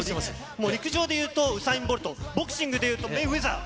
もう陸上でいうとウサイン・ボルト、ボクシングで言うとメイ・ウエザー。